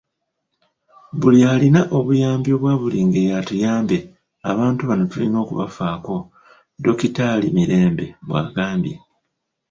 'Buli alina obuyambi obwa buli ngeri atuyambe, abantu bano tulina okubafaako,'' Dokitaali Mirembe bw'agambye.